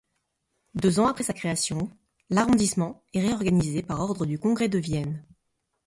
Deux ans après sa création, l'arrondissement est réorganisé par ordre du Congrès de Vienne.